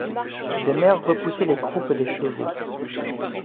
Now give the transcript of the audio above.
Des mères repoussaient les croupes des chevaux.